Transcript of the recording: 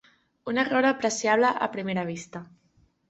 Un error apreciable a primera vista.